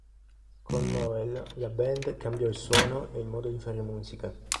Con Noel la band cambiò il suono e il modo di fare musica.